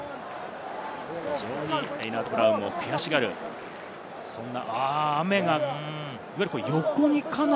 レイナートブラウンも悔しがる、そんな。